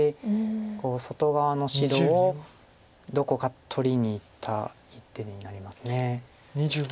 外側の白をどこか取りにいった一手になります。